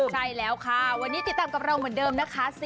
ใช่แล้วค่ะวันนี้ติดตามกับเราเหมือนเดิมนะคะ